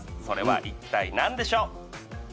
それは一体何でしょう？